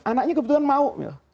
anaknya kebetulan mau